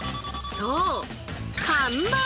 そう！